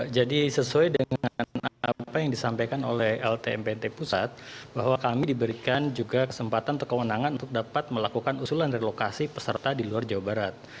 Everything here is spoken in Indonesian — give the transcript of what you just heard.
jadi sesuai dengan apa yang disampaikan oleh ltmpt pusat bahwa kami diberikan juga kesempatan untuk kewenangan untuk dapat melakukan usulan relokasi peserta di luar jawa barat